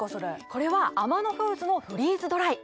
これはアマノフーズのフリーズドライ。